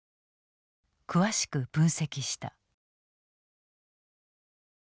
詳しく分析した。